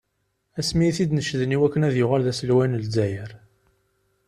Asmi i t-id-necden i wakken ad yuɣal d aselway n Lezzayer.